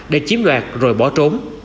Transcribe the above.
để chiếm đoạt rồi bỏ trốn